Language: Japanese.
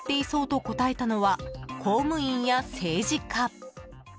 と答えたのは、公務員や政治家。